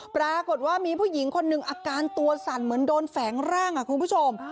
ปรากฏว่ามีผู้หญิงคนหนึ่งอาการตัวสั่นเหมือนโดนแฝงร่างคุณผู้ชม